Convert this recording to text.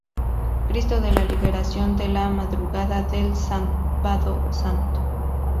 Cristo de la Liberación en la madrugada del Sábado Santo.